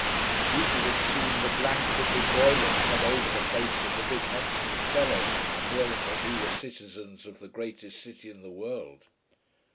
You should have seen the blank little boy look come over the face of the big handsome fellow on hearing that we were citizens of the greatest city in the world.